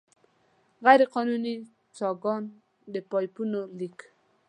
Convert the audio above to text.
غیرقانوني څاګانو، د پایپونو لیک.